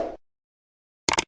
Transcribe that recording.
apa rasul allah menjerat uang